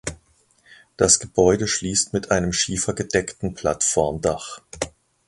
Das Gebäude schließt mit einem schiefergedeckten Plattformdach.